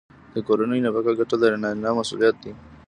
د کورنۍ نفقه ګټل د نارینه مسوولیت دی.